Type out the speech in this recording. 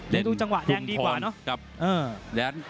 ดูจังหวะแดงดีกว่าเนอะ